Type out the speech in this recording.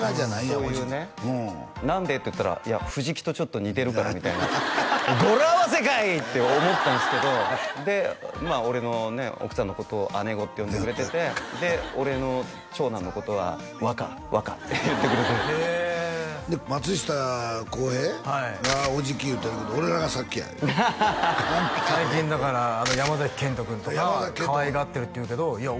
オジキそういうね何で？って言ったらいや藤木とちょっと似てるからみたいな語呂合わせかい！って思ったんですけどで俺のね奥さんのことを姉御って呼んでくれててで俺の長男のことは若若って言ってくれてるへえ松下洸平がオジキ言うてるけど俺らが先や最近だから山賢人君とかかわいがってるっていうけどいや